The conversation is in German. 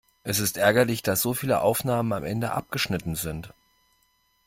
Es ist ärgerlich, dass so viele Aufnahmen am Ende abgeschnitten sind.